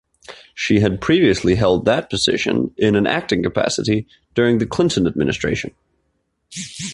She had previously held that position, in an acting capacity, during the Clinton administration.